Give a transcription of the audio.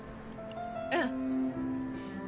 うん。